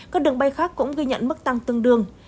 các đường bay khác cũng ghi nhận mức tăng tương đương